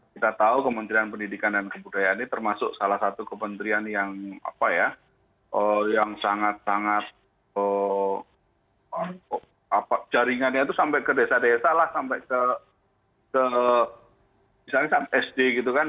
kita tahu kementerian pendidikan dan kebudayaan ini termasuk salah satu kementerian yang sangat sangat jaringannya itu sampai ke desa desa lah sampai ke misalnya sd gitu kan